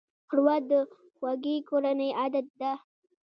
ښوروا د خوږې کورنۍ عادت ده.